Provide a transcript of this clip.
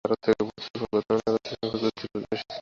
মনে হয়, গত মাসে ভারত হতে প্রচুর চিঠিপত্র এসেছে।